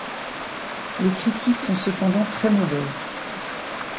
Les critiques sont cependant très mauvaises.